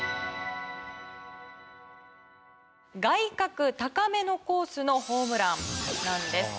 外角高めのコースのホームランなんです。